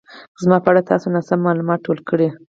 زما په اړه تاسو ناسم مالومات ټول کړي